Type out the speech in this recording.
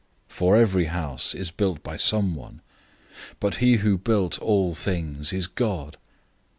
003:004 For every house is built by someone; but he who built all things is God.